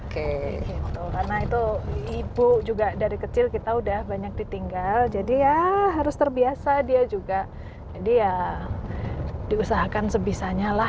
karena itu ibu juga dari kecil kita udah banyak ditinggal jadi ya harus terbiasa dia juga jadi ya diusahakan sebisanya lah